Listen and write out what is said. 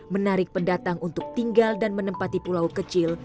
menarik pendatang untuk tinggal dan menempati pulau kecil